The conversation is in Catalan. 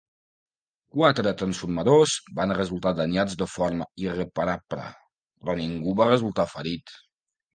Quatre transformadors van resultar danyats de forma irreparable, però ningú va resultar ferit.